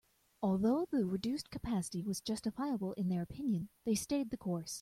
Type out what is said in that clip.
Although the reduced capacity was justifiable in their opinion, they stayed the course.